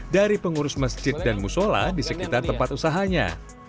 dari pengurus masjid dan musola di sekitar tempat usahanya